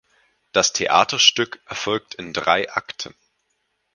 Das Theaterstück erfolgt in drei Akten.